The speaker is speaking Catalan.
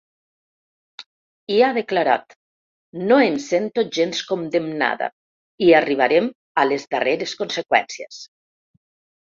I ha declarat: No em sento gens condemnada i arribarem a les darreres conseqüències.